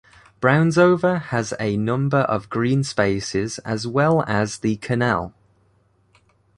Brownsover has a number of green spaces as well as the canal.